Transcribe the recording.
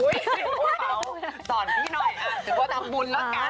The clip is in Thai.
อุ้ยป่าวสอนพี่หน่อยถึงว่าทำบุญแล้วกัน